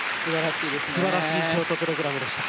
素晴らしいショートプログラムでした。